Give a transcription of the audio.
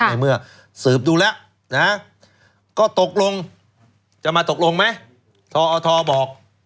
ในเมื่อสืบดูแล้วก็ตกลงจะมาตกลงไหมทอทบอก